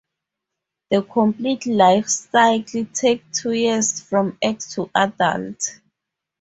The complete life cycle takes two years from egg to adult.